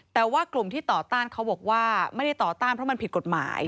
แต่ว่ากลุ่มที่ต่อต้านเขาบอกว่าไม่ได้ต่อต้านเพราะมันผิดกฎหมาย